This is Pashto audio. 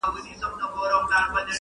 جنون مو مبارک سه زولنې دي چي راځي،